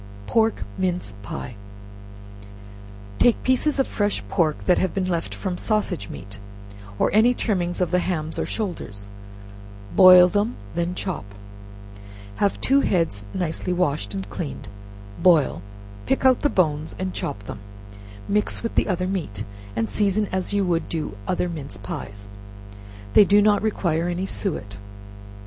Pork Mince Pies. Take pieces of fresh pork that have been left from sausage meat, or any trimmings of the hams or shoulders; boil them, then chop. Have two heads nicely washed and cleaned, boil, pick out the bones and chop them; mix with the other meat, and season as you do other mince pies, they do not require any suet.